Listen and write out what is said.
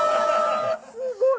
すごい。